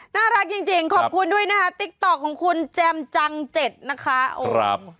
น่ารักจริงขอบคุณด้วยนะคะติ๊กต๊อกของคุณแจมจังเจ็ดนะคะ